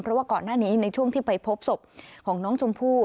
เพราะว่าก่อนหน้านี้ในช่วงที่ไปพบศพของน้องชมพู่